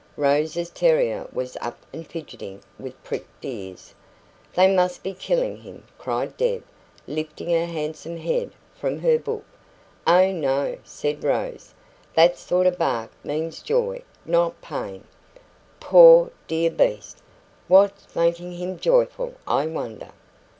Rose's terrier was up and fidgeting, with pricked ears. "They must be killing him!" cried Deb, lifting her handsome head from her book. "Oh, no," said Rose; "that sort of bark means joy, not pain." "Poor, dear beast! What's making him joyful, I wonder?"